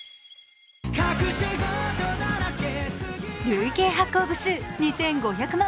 累計発行部数２５００万